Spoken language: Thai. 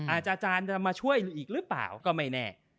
อาจารย์จะมาช่วยอีกหรือเปล่าก็ไม่แน่